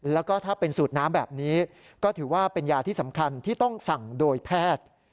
แล้วก็ถ้าเป็นสูตรน้ำแบบนี้ก็ถือว่าเป็นยาที่สำคัญที่ต้องสั่งโดยแพทย์